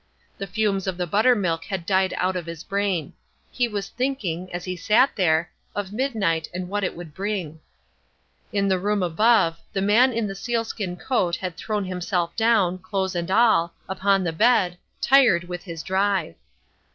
The fumes of the buttermilk had died out of his brain. He was thinking, as he sat there, of midnight and what it would bring. In the room above, the man in the sealskin coat had thrown himself down, clothes and all, upon the bed, tired with his drive.